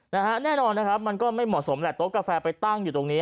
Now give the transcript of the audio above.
แน่นอนนะครับมันก็ไม่เหมาะสมแหละโต๊ะกาแฟไปตั้งอยู่ตรงนี้